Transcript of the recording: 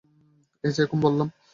এইযে, এখন বললাম।